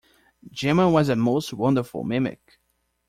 Jemma was a most wonderful mimic.